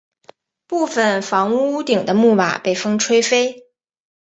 部分房屋屋顶的木瓦被风吹飞。